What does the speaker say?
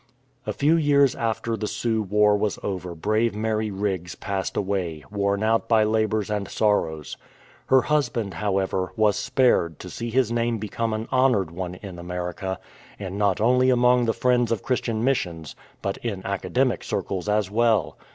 A few years after the Sioux war was over brave Mary Riggs passed away, worn out by labours and sorrows. Her husband, however, was spared to see his name become an honoured one in America, and not only among the friends of Christian missions, but in academic circles as well.